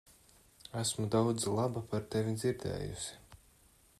Esmu daudz laba par tevi dzirdējusi.